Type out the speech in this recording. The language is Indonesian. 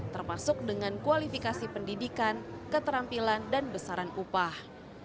termasuk dengan kualifikasi pendidikan keterampilan dan besaran upah